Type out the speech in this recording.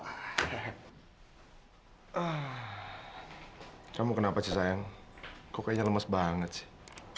hai ah kamu kenapa sayang koknya lemes banget sih